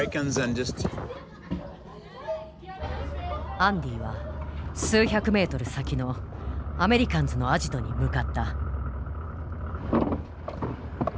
アンディは数百メートル先のアメリカンズのアジトに向かった。